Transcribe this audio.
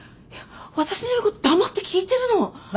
私の言うこと黙って聞いてるの！